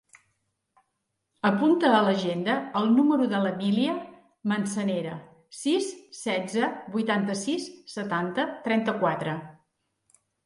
Apunta a l'agenda el número de l'Emília Manzanera: sis, setze, vuitanta-sis, setanta, trenta-quatre.